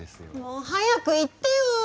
もう早く言ってよ！